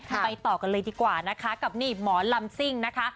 ไปต่อกันเลยดีกว่านะคะกับนี่หมอลำซิ่งนะคะ